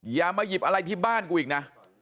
อย่ามาหยิบอะไรที่บ้านกูอีกนะ